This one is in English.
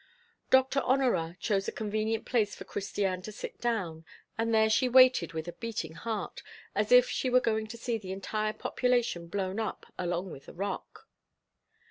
Doctor Honorat chose a convenient place for Christiane to sit down, and there she waited with a beating heart, as if she were going to see the entire population blown up along with the rock.